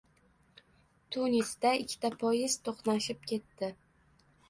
Tunisda ikkita poyezd to‘qnashib ketdi